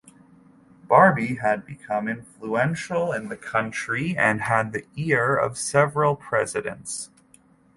Barbie had become influential in the country and had the ear of several Presidents.